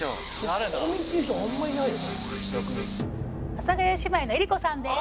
阿佐ヶ谷姉妹の江里子さんです。